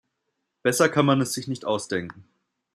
Besser kann man es sich nicht ausdenken!